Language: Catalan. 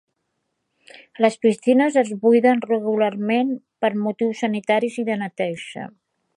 Les piscines es buiden regularment per motius sanitaris i de neteja.